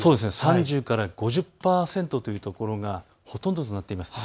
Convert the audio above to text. ３０から５０％というところがほとんどとなっています。